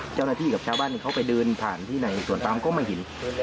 เจ้าหน้าที่กับชาวบ้านเขาไปเดินผ่านที่ไหนส่วนปั๊มก็ไม่เห็น